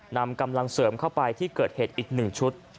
นำกำลังเสริมเข้าไปที่เกิดเหตุอีก๑ชุด